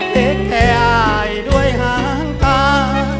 เจ๊แท้อายด้วยหางคา